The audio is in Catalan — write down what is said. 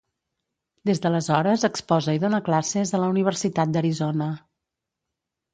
Des d'aleshores exposa i dóna classes a la Universitat d’Arizona.